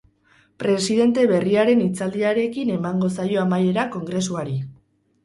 Presidente berriaren hitzaldiarekin emango zaio amaiera kongresuari.